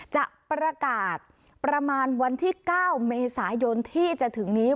จะประกาศประมาณวันที่๙เมษายนที่จะถึงนี้